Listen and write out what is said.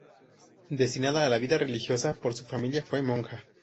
Destinada a la vida religiosa por su familia, fue monja.